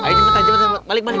ayo cepet aja balik balik